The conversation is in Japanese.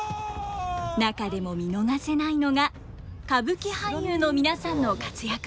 中でも見逃せないのが歌舞伎俳優の皆さんの活躍ぶり。